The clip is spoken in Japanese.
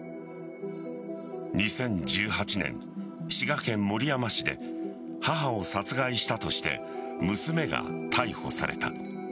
２０１８年、滋賀県守山市で母を殺害したとして娘が逮捕された。